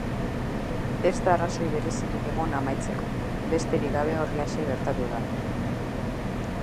Ez da arrazoi berezirik egon amaitzeko, besterik gabe horrelaxe gertatu da.